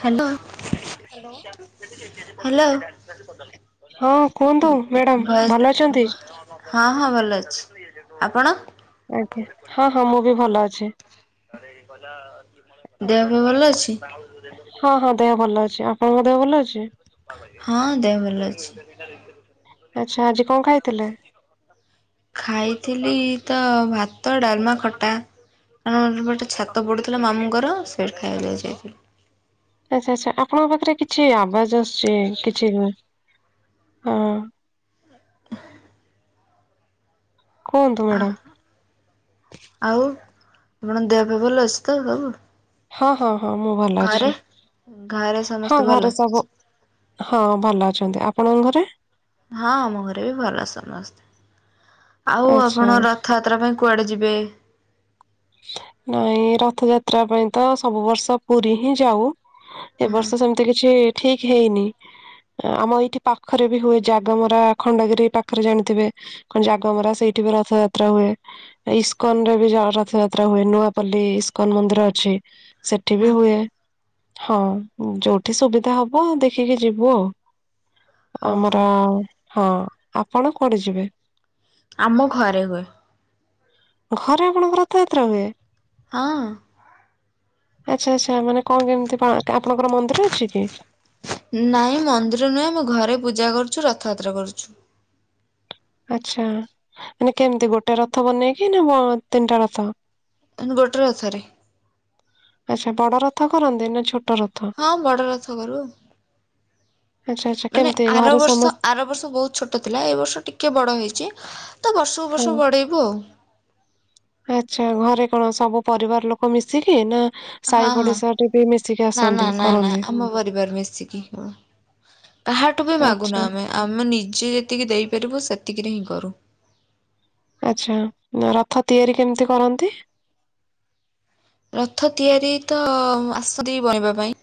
Hello hello. Hello. ହଁ କୁହନ୍ତୁ, voice madam ଭଲ ଅଛନ୍ତି? ହଁ- ହଁ ଭଲ ଅଛି। ଆପଣ? ଆଜ୍ଞା ହଁ- ହଁ- ମୁଁ ବି ଭଲ ଅଛି। ଦେହ ପେହ ଭଲ ଅଛି? ହଁ- ହଁ ଦେହ ଭଲ ଅଛି। ଆପଣଙ୍କ ଦେହ ଭଲ ଅଛି? ହଁ ଦେହ ଭଲ ଅଛି। [unintelligible] ଆଚ୍ଛା ଆଜି କଣ ଖାଇଥିଲେ? ଖାଇଥିଲି ତ ଭାତ, ଡାଲମା, ଖଟା। କାରଣ ଗୋଟେ ଛାତ ପୁଡୁଥିଲା ମାମୁଙ୍କର ସେଠି ଖାଇବାକୁ ଯାଇଛି। ଆଚ୍ଛା ଆଚ୍ଛା ଆପଣଙ୍କ ପାଖରେ କିଛି ଆବାଜ ଆସୁଛି କିଛି ହଁ। କୁହନ୍ତୁ ଆ ମ୍ୟାଡାମ। ଆଉ ଆପଣ ଦେହପହ ଭଲ ଅଛି ତ ସବୁ। ହଁ ହଁ ହଁ ମୁଁ ଭଲ ଅଛି। ଘରେ? ଘରେ ସମସ୍ତେ ହଁ ଭଲ? ଘରେ ସବୁ ହଁ ଭଲ ଅଛନ୍ତି ଆପଣଙ୍କ ଘରେ। ହଁ ଆମ ଘରେ ବି ଭଲ ସମସ୍ତେ ଆଉ ଆଚ୍ଛା ଆପଣ ର ଥଯାତ୍ରା ପାଇଁ କୁଆଡ଼େ ଯିବେ? ନାଇଁ ରଥ ଯାତ୍ରା ପାଇଁ ତ ସବୁ ବର୍ଷ ପୁରୀ ହିଁ ଯାଉ। ଏ ହଁ ବର୍ଷ ସେମିତି କିଛି ଠିକ ହେଇନି। ଆମ ଏଇଠି ପାଖରେ ବି ହୁଏ ଜାଗମରା ଖଣ୍ଡଗିରି ପାଖରେ ଜାଣିଥିବେ କଣ ଜାଗମରା ସେଇଠି ବି ରଥଯାତ୍ରା ହୁଏ ଇସ୍କନ ରେ ବି ରଥଯା ତ୍ରା ହୁଏ ନୂଆପଲ୍ଲୀ ଇସ୍କନ ମନ୍ଦିର ଅଛି ସେଠି ହଁ ବି ହୁଏ। ହଁ ଯୋଉଠି ସୁବିଧା ହବ ଦେଖିକି ଯିବୁ ଆଉ। ଓହୋ ଆମର ହଁ, ଆପଣ କୁଆଡେ ଯିବେ? ଆମ ଘରେ ହୁଏ। ଘରେ ଆପଣଙ୍କ ରଥଯାତ୍ରା ହୁଏ। ହଁ। ଆଚ୍ଛା ଆଚ୍ଛା ମାନେ କଣ କେମିତି ପା ଆପଣଙ୍କର ମନ୍ଦିର ଅଛି କି? ନାଇଁ ମନ୍ଦିର ନୁହେଁ ଆମେ ଘରେ ପୂଜା କରୁଛୁ ରଥଯାତ୍ରା କରୁଛୁ। ଆଛା ମାନେ କେମିତି ଗୋଟେ ରଥ ବନେଇକି ନା ତିନିଟା ରଥ। ନା ଗୋଟେ ରଥରେ। ଆଚ୍ଛା ବଡ଼ ରଥ କରନ୍ତି ନା ଛୋଟ ର ହଁ ବଡ ରଥକରୁ। ଆଚ୍ଛା ଆଚ୍ଛା ମାନେ କେମିତି ଆର ଘରେ ସମସ୍ତେ ବର୍ଷ ଆର ବର୍ଷ ବହୁତ ଛୋ ଟ ଥିଲା ଏ ବର୍ଷ ଟିକିଏ ବଡ଼ ହେଇଛି ତ ବର୍ଷକୁ ହଁ ବର୍ଷ ବଡେଇବୁ ଆଉ। ଆଚ୍ଛା ଘରେ କଣ ସବୁ ପରିବାର ଲୋକ ମିଶିକି ନା ହଁ ସାହି ହଁ ପଡିଶାରେ ବି ମିଶିକି ନା ନା ଆସନ୍ତି ନା ନା କରନ୍ତି ଆମ ପରିବାର ମିଶିକି ହଁ। କାହାଠୁ ବି ମାଗୁନା ଆଚ୍ଛା ଆମେ ଆମେ ନିଜେ ଯେତିକି ଦେଇପାରିବୁ ସେତିକିରେ ହିଁ କରୁ। ଆଚ୍ଛା ରଥ ତିଆରି କେମିତି କରନ୍ତି? ରଥ ତିଆରି ତ ଆଶ୍ରୀ ବନେଇବା ପାଇଁ।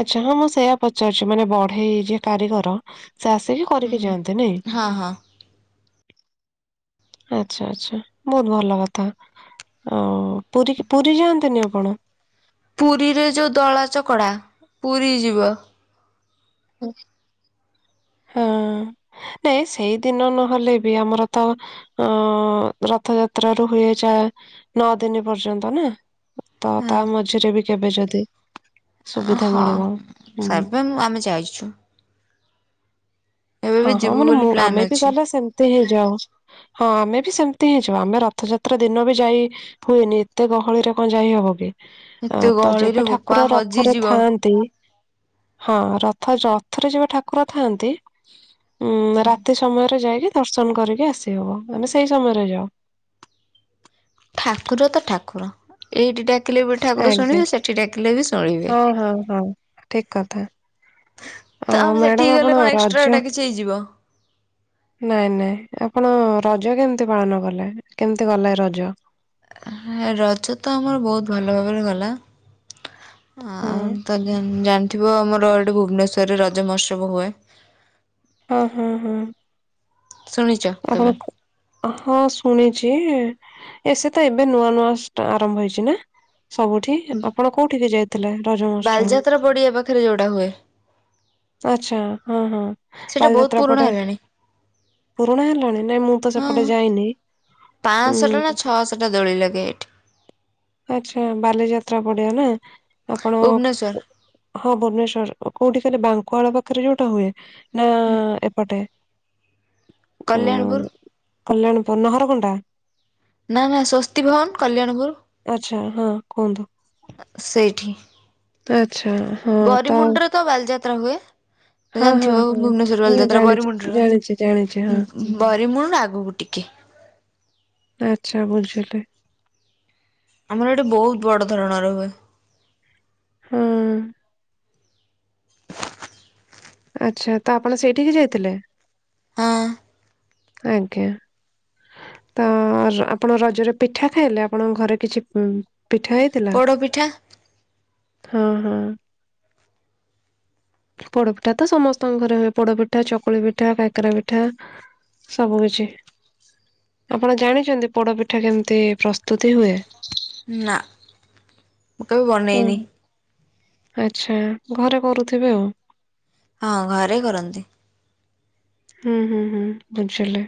ଆଚ୍ଛା ହଁ ମୁଁ ସେଇୟା ପଚାରୁଛି ମାନେ ବଢେଇ ଯିଏ କାରିଗର ସେ ଆସିବ। ହୁଁ ହଁ ହଁ। ଆଚ୍ଛା ଆଛା ବହୁତ ଭଲ କଥା ଆଉ ପୁରୀକି ପୁରୀ ଯାଆନ୍ତିନି ଆପଣ? ପୁରୀରେ ଯେଉଁ ଦଳା ଚକଡ଼ା ପୁରୀ ଯିବ। ହଁ। ନାଇଁ ସେଇଦିନ ନହେଲେ ବି ଆମର ତ ଅ ରଥୟାତ୍ରା ରୁ ହୁଏ ଯା ନଅ ଦିନି ପର୍ଯ୍ୟନ୍ତ ନା। ତ ହଁ। ତା ମଝିରେ ବି କେବେ ଯଦି ସୁବିଧା ହଁ ମିଳିବ ହୁଁ ସବୁ ମୁଁ ଆମେ ଯାଇଛୁ। ଏବେ ବି ହଁ ହଁ ଯିବୁ ମାନେ ବୋଲି ମୁଁ ପ୍ଲାନ୍ ଆମେ ବି ଅଛି। ଗଲେ ସେମିତି ହିଁ ଯାଉ। ହଁ ଆମେ ବି ସେମିତି ହେଇଁଯିବ ଆମେ ରଥଯାତ୍ରା ଦିନ ବି ଯାଇ ହୁଏନି ଏତେ ଗହଳିରେ କଣ ଯାଇ ହବ କି? ଆ ଏତେ ତ ଗହଳିରେ ଯେବେ ବୋପା ଠାକୁର ରଥରେ ହଜିଯିବ। ଥାଆନ୍ତି ହଁ ରଥ ରଥରେ ଯେବେ ଠାକୁର ଥାଆନ୍ତି। ଉଁ ରାତି ସମୟରେ ଯାଇକି ଦର୍ଶନ କରିକି ଆସି ହବ ଆମେ ସେଇ ସମୟରେ ଯାଉ। ଠାକୁର ତ ଠାକୁର। ଏଇଠି ଡାକିଲେ ବି ଠାକୁର ଶୁଣିବେ, ସେଠି ଡାକିଲେ ବି ଶୁଣିବେ। ହଁ-ହଁ-ହଁ ଠିକ କଥା, ଆଉ ମ୍ୟାଡାମ ଆପଣ ରଜ ସେଇ ଯିବ। ନାଇଁ ନାଇଁ ଆପଣ ରଜ କେମିତି ପାଳନ କଲେ? କେମିତି କଲେ ରଜ? ହଁ ରଜ ତ ଆମର ବହୁତ ଭଲ ଭାବରେ ଗଲା। ହଁ ଆଉ ତ ଗା ହୁଁ ଜାଣିଥିବ ଆମର ଏଠି ଭୁବନେଶ୍ୱରରେ ରଜ ମହୋତ୍ସବ ହୁଏ। ହଁ-ହଁ। ଶୁଣିଚ କେବେ? ହଁ ଶୁଣିଛି ଏ ସେତ ଏବେ ନୂଆ ନୂଆ ଆରମ୍ଭ ହେଇଛି ନା? ସବୁଠି, ଆପଣ କୋଉଠିକି ଯାଇଥିଲେ ରଜ ମହୋତ୍ସବ? ବାଲିଯାତ୍ରା ପଡିଆ ପାଖରେ ଯୋଉଟା ହୁଏ। ଆଛା ହଁ-ହଁ। ସେଇଟା ବହୁତ ପୁରୁଣା ହେଲାଣି। ପୁରୁଣା ହେଲାଣି, ନାଇଁ ମୁଁ ତ ସେପଟେ ଯାଇନି। ହୁଁ ପାଞ୍ଚଶଟା ନା ଛଅଶଟା ଦୋଳି ଲାଗେ ଏଠି। ଆଛା ବାଲିଯାତ୍ରା ପଡିଆ, ନା ଆପଣ ଭୁବନେଶ୍ୱର ହଁ ଭୁବନେଶ୍ଵର କୋଉଠି କହିଲେ, ବାଙ୍କୁଆଳ ପାଖରେ ଯୋଉଟା ହୁଏ ନା ଏପଟେ। ଉ କଲ୍ୟାଣପୁର। କଲ୍ୟାଣପୁର ନାହରକଣ୍ଟା। ନା-ନା ସ୍ୱସ୍ତି ଭବନ କଲ୍ୟାଣପୁର। ଆଚ୍ଛା ହଁ କୁହନ୍ତୁ। ଅ ସେଇଠି। ଆଛା ହଁ ତ ଆଉ ବରିମୁଣ୍ଡରେ ତ ବାଲିଯାତ୍ରା ହୁଏ, ଜାଣିଥିବେ ହଁ ଭୁବନେଶ୍ୱର ହଁ ବାଲିଯାତ୍ରା ଜାଣିଛି ଜାଣିଛି ଜାଣିଛି ହଁ ବରିମୁଣ୍ଡରେ ବରିମୁଳୁ ଆଗକୁ ଟିକେ। ଆଚ୍ଛା ବୁଝିଲି। ଆମର ଏଇଠି ବହୁତ ବଡ ଧରଣର ହୁଏ। ହୁଁ। ଆଚ୍ଛା, ତ ଆପଣ ସେଇଠିକି ଯାଇଥିଲେ? ହଁ। ଆଜ୍ଞା। ତ ଆପଣ ରଜରେ ପିଠା ଖାଇଲେ? ଆପଣଙ୍କ ଘରେ କିଛି ପିଠା ହେଇଥିଲା? ପୋଡ଼ପିଠା ହଁ- ହଁ। ପୋଡପିଠା ତ ସମସ୍ତଙ୍କ ଘରେ ହୁଏ। ପୋଡ ପିଠା, ଚକୁଳି ପିଠା, କାକରା ପିଠା ସବୁ କିଛି। ଆପଣ ଜାଣିଛନ୍ତି ପୋଡପିଠା କେମିତି ପ୍ରସ୍ତୁତି ହୁଏ? ନା। ମୁଁ କେବେ ଓ ବନେଇନି ଆଚ୍ଛା ଘରେ କରୁଥିବେ ଆଉ। ହଁ ଘରେ କରନ୍ତି। ହୁଁ- ହୁଁ- ହୁଁ ବୁଝିଲି।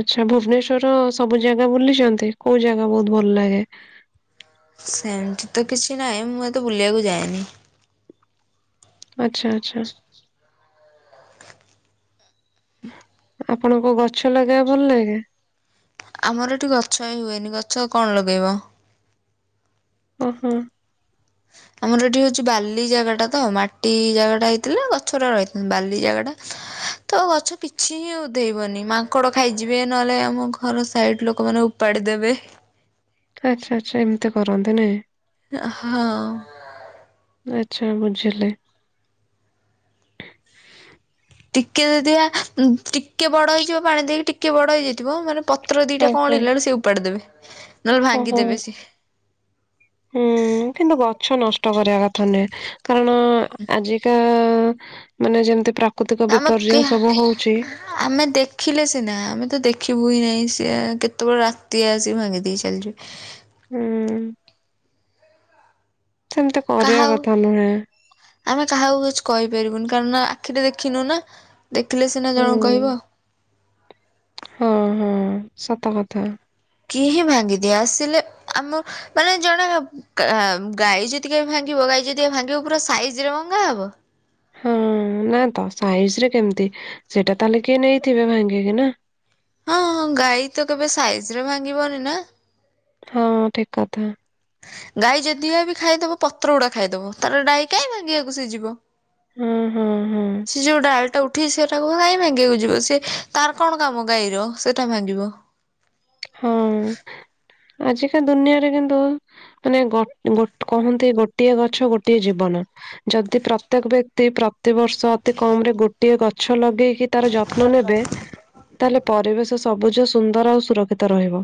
ଆଚ୍ଛା ଭୁବନେଶ୍ଵରର ସବୁ ଜାଗା ବୁଲିଛନ୍ତି, କୋଉ ଜାଗା ବହୁତ ଭଲ ଲାଗେ? ସେମିତି ତ କିଛି ନାହିଁ, ମୁଁ ଏତେ ବୁଲିବାକୁ ଯାଏନି। ଆଚ୍ଛା ଆଚ୍ଛା। ହ ଆପଣଙ୍କୁ ଗଛ ଲଗେଇଆକୁ ଭଲ ଲାଗେ? ଆମର ଏଠି ଗଛ ହିଁ ହୁଏନି, ଗଛ କଣ ଲଗେଇବ? ଓ ହୋ। ଆମର ଏଠି ହଉଛି ବାଲି ଜାଗାଟା ତ, ମାଟି ଜାଗାଟା ହେଇଥିଲା ଗଛଟା ରହି [unintelligible] ବାଲି ଜାଗାଟା ତ ଗଛ କିଛି ହିଁ ଉଧେଇବନି, ମାଙ୍କଡ ଖାଇଯିବେ ନହେଲେ ଆମ ଘର ସାଇଡ ଲୋକମାନେ ତାଡ଼ିଦେବେ। ଆଚ୍ଛା ଆଚ୍ଛା ଏମିତି କରନ୍ତି ନା। ହଁ ଆଚ୍ଛା ବୁଝିଲି ଟିକେ ଯଦି ଆ ଟିକେ ବଡ ହେଇଯିବ ପାଣି ଦେଇକି ଟିକେ ବଡ ହେଇଯାଇଥିବ ମାନେ ପତ୍ର ଦିଟା ଆଜ୍ଞା। କଅଁଳିଲା ବେଳୁ ସେ ଉପାଡି ଦେବେ ନହେଲେ ଓହୋ ଭାଙ୍ଗିଦେବେ ସିଏ ହୁଁ କିନ୍ତୁ ଗଛ ନଷ୍ଟ କରିବା କଥା ନୁହେଁ କାରଣ ଆଜିକା ମାନେ ଯେମିତି ପ୍ରାକୃତିକ [unintelligible] ବିପର୍ଯ୍ୟୟ ସବୁ ହଉଛି ଆମେ ଦେଖିଲେ ସିନା ଆମେ ତ ଦେଖିବୁ ହିଁ ନାହିଁ ସିଏ କେତେବେଳେ ରାତି ଆସିକି ଭାଙ୍ଗି ଦେଇଛ [unintelligible] ହୁଁ ସେମିତି କରିବା କାହା କଥା ନୁହେଁ ଆମେ କାହାକୁ କିଛି କହିପାରିବୁନି କାରଣ ଆଖିରେ ଦେଖିନୁ ନା ଦେଖିଲେ ସିନା ହୁଁ ଜଣକୁ କହିବ ହଁ ହଁ ସତ କଥା କିଏ ଭାଙ୍ଗିଦିଏ ଆସିଲେ ଆମ ମାନେ ଜଣେ ଗାଈ ଯଦି କେବେ ଭାଙ୍ଗିବ ଗାଈ ଯଦି ଭାଙ୍ଗିବ ପୁରା ସାଇଜରେ ଭଙ୍ଗା ହବ ହଁ ନା ତ ସାଇଜ ରେ କେମିତି ସେଇଟା ତାହେଲେ କିଏ ନେଇଥିବେ ଭାଙ୍ଗିକି ନା ହଁଁ ଗାଈ ତ କେବେ ସାଇଜରେ ଭାଙ୍ଗିବନି ନା ହଁ ଠିକ କଥା ଗାଈ ଯଦି ଆବି ଖାଇଦବ ପତ୍ର ଗୁଡା ଖାଇଦବ ତାର ଡାହି କାହିଁ ଭାଙ୍ଗିବାକୁ ସେ ଯିବ ହଁ ହଁ ହଁ ସେ ଯଉ ଡାଳଟାକୁ ଏଠି ସେଟାକୁ କାଇଁ ଭାଙ୍ଗିବାକୁ ଯିବ ସିଏ ତାର କଣ କାମ ଗାଈର ସେଇଟା ଭାଙ୍ଗିବ ହଁ ଆଜିକା ଦୁନିଆରେ କିନ୍ତୁ ମାନେ କ କ କହନ୍ତି ଗୋଟିଏ ଗଛ ଗୋଟିଏ ଜୀବନ ଯଦି ପ୍ରତ୍ୟେକ ବ୍ୟକ୍ତି ପ୍ରତିିବର୍ଷ ଅତି କମରେ ଗୋଟିଏ ଗଛ ଲଗେଇକି ତାର ଯତ୍ନ ନେବେ ତାହେଲେ ପରିବେଶ ସବୁଜ ସୁନ୍ଦର ଆଉ ସୁରକ୍ଷିତ ତ ରହିବ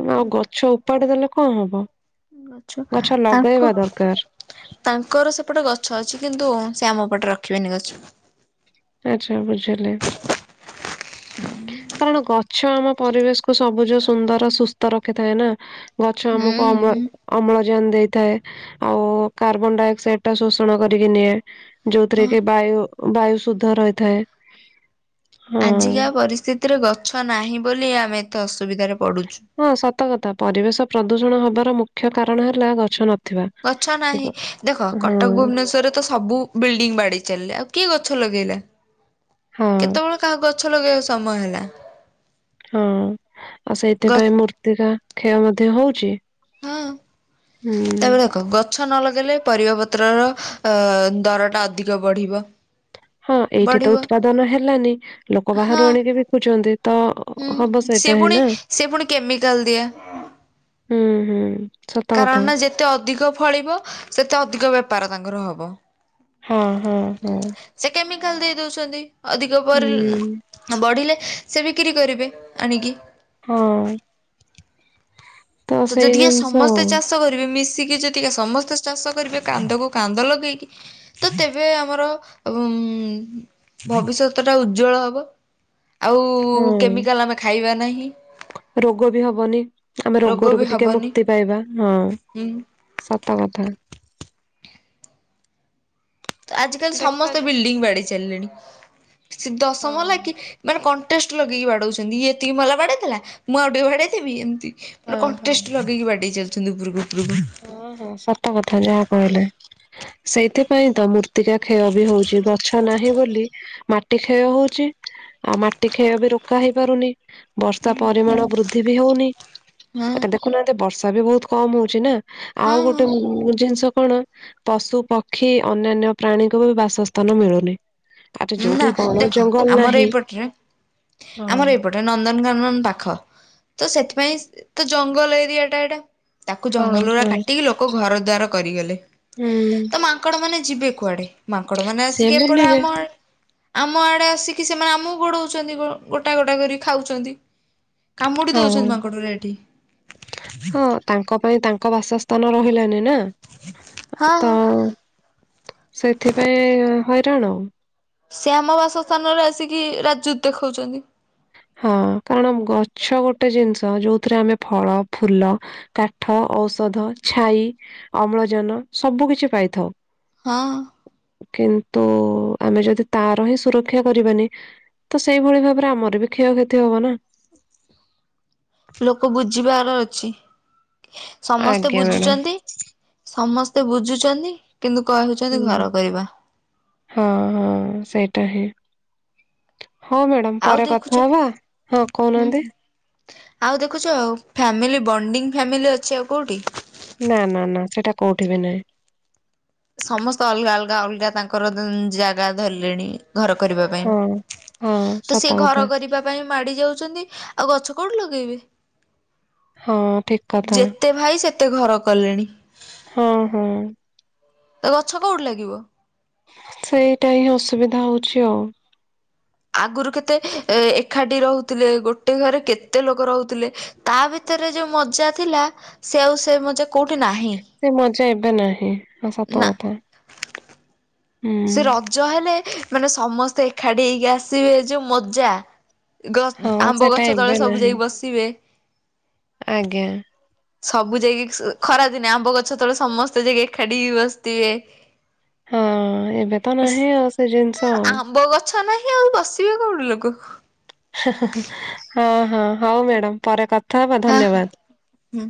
କି ଆଉ ଗଛ ଉପାଡି ଦେଲେ କଣ ହବ ଗଛ ତାଙ୍କ ଲଗେଇବା ଦରକାର ତାଙ୍କର ସେପଟେ ଗଛ ଅଛି କିନ୍ତୁ ସେ ଆମ ପଟେ ରଖିବେନି ଗଛ ଆଚ୍ଛା ବୁଝିଲି [unintelligible] କାରଣ ଗଛ ଆମ ପରିବେଶ କୁ ସବୁଜ ସୁନ୍ଦର ସୁସ୍ଥ ରଖିଥାଏ ନା ଗଛ ହୁଁ ଆମକୁ ଅମ୍ଳ ହୁଁ ଅମ୍ଳଜାନ ଦେଇଥାଏ ଆଉ କାର୍ବନ ଡାଇଅକ୍ସାଇଡ ଟା ଶୋଷଣ କରିକି ନିଏ। ଯୋଉଥିରେ ହଁ। କି ବାୟୁ ବାୟୁ ସୁଦ୍ଧ ରହିଥାଏ ଆଜିକା ପରିସ୍ଥିତିରେ ଗଛ ନାହିଁ ବୋଲି ଆମେ ଏତେ ଅସୁବିଧାରେ ପଡୁଛୁ। ହଁ ସତ କଥା ପରିବେଶ ପ୍ରଦୂଷଣ ହବାର ମୁଖ୍ୟ କାରଣ ହେଲା ଗଛ ନ ଗଛ ନାହିଁ ଦେଖ କଟକ ଭୁବନେଶ୍ୱରରେ ତ ସବୁ ବିଲ୍ଡିଙ୍ଗ ବାଡେଇ ଚାଲିଲେ ଆଉ କିଏ ଗଛ ଲଗେଇଲେ। ହଁ କେତେବେଳେ କାହାକୁ ଗଛ ଲଗେଇବାକୁ ସମୟ ହେଲା ହଁ ଆଉ ଗ ସେଇଥିପାଇଁ ମୂର୍ତ୍ତିକା କ୍ଷୟ ମଧ୍ୟ ହଉଛି। ହଁ ହୁଁ। [unintelligible] ଗଛ ନ ଲଗେଇଲେ ପରିବା ପତ୍ରର ଦରଟା ଅଧିକ ବଢିବ। ହଁ ଏଇଠି ତ ବଢିବ ଉତ୍ପାଦନ ହେଲାନି ଲୋକ ହଁ ବାହାରୁ ଆଣିକି ବିକୁଛନ୍ତି ତ ହୁଁ, ହବ ସେ ସେଇଟା ହିଁ ପୁଣି, ନା। ସେ ପୁଣି କେମିକାଲ ଦିଆ। ହୁଁ ହୁଁ। ସତ କାରଣ କଥା। ନା ଯେତେ ଅଧିକ ଫଳିବ ସେତେ ଅଧିକ ବେପାର ତାଙ୍କର ହବ। ହଁ ହଁ ହଁ। ସେ କେମିକାଲ ଦେଇ ଦଉଛନ୍ତି ଅଧିକ ହୁଁ। [unintelligible] ବଢ଼ିଲେ ସେ ବିକ୍ରି କରିବେ ଆଣିକି। ହଁ। ତ ସେଇ ଯଦି ଏ ଜିନିଷ ଆଉ ସମସ୍ତେ ଚାଷ କରିବେ ମିଶିକି ଯ ସମସ୍ତେ ଚାଷ କରିବେ କାନ୍ଧକୁ କାନ୍ଧ ଲଗେଇକି ତ ତେବେ ଆମର ଏବଂ ଭବିଷ୍ୟତ ଟା ଉଜ୍ଜଳ ହବ। ଆଉ ହୁଁ କେମିକାଲ ଆମେ ଖାଇବା ନାହିଁ। ରୋଗ ବି ହବନି। ଆମେ ରୋଗ ରୋଗରୁ ବି ଟିକେ ହବନି। ମୁକ୍ତି ପାଇବା। ହଁ। ହୁଁ ସତକଥା। ଆଜି କାଲି ସମସ୍ତେ ଦେଖାଯାଉ ବିଲ୍ଡିଙ୍ଗ ବାଡେଇ ସାରିଲେଣି। ସେ ହଁ ଦଶମହଲା କି ମାନେ କଣ୍ଟେଷ୍ଟ ଲଗେଇକି ବାଡଉଛନ୍ତି। ଇଏ ଏତିକି ମହଲା ବାଡେଇଦେଲା ମୁଁ ଆଉ ଟିକେ ବାଡେଇଦେବି ଏମିତି। ମାନେ ହଁ ହଁ। କଣ୍ଟେଷ୍ଟ ଲଗେଇକି ବାଡେଇ ଚାଲିଛନ୍ତି ଉପରକୁ ଉପରକୁ। ହଁ ହଁ ସତ କଥା ଯାହା କହିଲେ। ସେଇଥିପାଇଁ ତ ମୃର୍ତ୍ତିକା କ୍ଷୟ ବି ହଉଚି। ଗଛ ନାହିଁ ବୋଲି ମାଟି କ୍ଷୟ ହଉଚି। ଆଉ ମାଟି କ୍ଷୟ ବି ରୋକା ହେଇ ପାରୁନି। ବର୍ଷା ପରିମାଣ ବୃଦ୍ଧି ବି ହଉନି। ହଁ ଦେଖୁନାହାନ୍ତି ବର୍ଷା ବି ବହୁତ କମ୍ ହଉଚି ନା। ହଁ ଆଉ ହଁ ଗୋଟେ ଜିନିଷ କଣ ପଶୁ ପକ୍ଷୀ ଅନ୍ୟାନ୍ୟ ପ୍ରାଣୀଙ୍କୁ ବି ବାସସ୍ଥାନ ମିଳୁନି। ଆରେ ନା ଯୋଉଠି ବଣ ଦେଖ ଜଙ୍ଗଲ ଆମର ନାହିଁ ଏଇପଟରେ ହୁଁ ଆମର ଏଇପଟ ପୁରା ନନ୍ଦନକାନନ ପାଖ। ତ ସେଥିପାଇଁ ତ ଜଙ୍ଗଲ ଏରିଆ ଟା ଏଇଟା। ତାକୁ ଜଙ୍ଗଲଗୁରା କାଟିକି ଲୋକ ଘର ଦ୍ୱାର କରିଗଲେ। ତ ମାଙ୍କଡ ମାନେ ଯିବେ କୁଆଡେ। ମାଙ୍କଡ ମାନେ ସେ ଆସିକି ଏପଟେ ବୁଲିବେ। ଆମଆଡେ। ଆମ ଆଡେ ଆସିକି ସେମାନେ ଆମକୁ ଗୋଡଉଛନ୍ତି। ଗୋଟା ଗୋଟା କରି ଖାଉଛନ୍ତି। କାମୁଡି ହଁ ଦଉଛନ୍ତି ମାଙ୍କଟଗୁରା ଏଠି। ତାଙ୍କ ପାଇଁ ତାଙ୍କ ବାସସ୍ଥାନ ରହିଲାନି ନା। ହଁ। ତ ସେଥିପାଇଁ ହଇରାଣ। ସେ ଆମ ବାସ ସ୍ଥାନରେ ଆସିକି ରାଜୁତି ଦେଖାଉଛନ୍ତି। ହଁ କାରଣ ଗଛ ଗୋଟେ ଜିନିଷ ଯୋଉଥିରେ ଆମେ ଫଳ, ଫୁଲ କାଠ, ଔଷଧ, ଛାଇ, ଅମ୍ଳଜାନ ସବୁ କିଛି ପାଇଥାଉ। ହଁ। କିନ୍ତୁ ଆମେ ଯଦି ତାର ହିଁ ସୁରକ୍ଷା କରିବାନି ତ ସେଇଭଳି ଭାବରେ ଆମର ବି କ୍ଷୟକ୍ଷତି ହବ ନା। ଲୋକ ବୁଝିବାର ଅଛି। ସମସ୍ତେ ଆଜ୍ଞା ମ୍ୟାଡ଼ାମ। ବୁଝୁଛନ୍ତି ସମସ୍ତେ ବୁଝୁଛନ୍ତି, କିନ୍ତୁ କହୁଛନ୍ତି ହୁଁ ଘର କରିବା। ହଁ ହଁ ସେଇଟା ହିଁ। ହଉ ମ୍ୟାଡମ୍ ଆଉ ପରେ ଦେଖୁଛ କଥା ହବା। ହଁ ହୁଁ କହୁନାହାନ୍ତି ଆଉ ଦେଖୁଚ ଫାମିଲି ବଣ୍ଡିଙ୍ଗ ଫ୍ୟାମିଲି ଅଛି ଆଉ କୋଉଠି। ନା ନା ନା ସେଇଟା କୋଉଠି ବି ନାହିଁ। ସମସ୍ତେ ଅଲଗା ଅଲଗା ଅଲଗା ତାଙ୍କର ଜାଗା ଧରିଲେଣି। ଘର କରିବା ପାଇଁ। ହଁ। ହଁ ତ ସତ ସେ କଥା ଘର କରିବା ପାଇଁ ମାଡି ଯାଉଛନ୍ତି ଆଉ ଗଛ କୋଉଠି ଲଗେଇବେ। ହଁ ଠିକ କଥା। ଯେତେ ଭାଇ ସେତେ ଘର କଲେଣି। ହଁ ହଁ। ତ ଗଛ କେଉଁଠି ଲାଗିବ। ସେଇଟା ହିଁ ଅସୁବିଧା ହଉଛି ଆଉ। ଆଗରୁ କେତେ ଏକାଠି ରହୁଥିଲେ, ଗୋଟେ ଘରେ କେତେ ଲୋକ ରହୁଥିଲେ। ତା ଭିତରେ ଯୋଉଁ ମଜା ଥିଲା ସେ ଆଉ ସେ ମଜା କୋଉଠି ନାହିଁ। ସେ ମଜା ଏବେ ନାହିଁ ଆଉ ସତ ନା। କଥା। ହୁଁ। ସେ ରଜ ହେଲେ ମାନେ ସମସ୍ତେ ଏକାଠି ହେଇକି ଆସିବେ ଯୋଉ ମଜା। ଗ ହଁ ଆମ୍ବ ସେଟା ଗଛ ତଳେ ଏବେ ସବୁ ନାହିଁ ଯାଇ ବସିବେ। ଆଜ୍ଞା। ସବୁ ଯାଇକି ସି ଇ ଖରାଦିନେ ଆମ୍ବଗଛ ତଳେ ସମସ୍ତେ ଯାଇକି ଏକାଠି ହେଇକି ବସଥିବେ। ହଁ ଏବେ ତ ନାହିଁ ଆଉ ସେ ଜିନିଷ। ଆମ୍ବ ଗଛ ନାହିଁ ଆଉ ବସିବେ କୋଉଠି ଲୋକ। ହଁ ହଁ ହୋଉ ମ୍ୟାଡ଼ାମ ପରେ କଥା ହବା ଧନ୍ୟବାଦ। ହୁଁ।